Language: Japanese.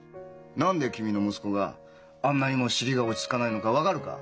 何で君の息子があんなにも尻が落ち着かないのか分かるか？